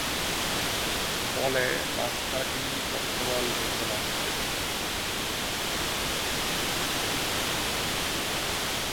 ফলে রাস্তাটি বর্তমান দৈর্ঘ্য লাভ করেছে।